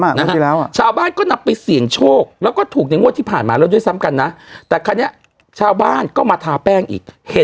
แต่คราวเนี่ยชาวบ้านก็มาทาแป้งอีก